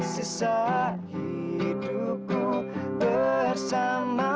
sisa hidupku bersamamu